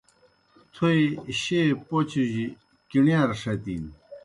تھوئے شیئے پوْچوْ جیْ کِݨِیار ݜتِن۔